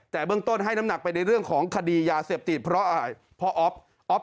แต่เบื้องต้นให้น้ำหนักไปในเรื่องของคดียาเสพติดเพราะอะไรพ่ออ๊อฟ